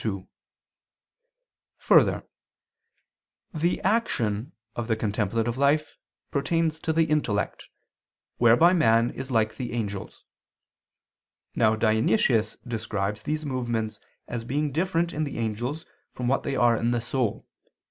2: Further, the action of the contemplative life pertains to the intellect, whereby man is like the angels. Now Dionysius describes these movements as being different in the angels from what they are in the soul.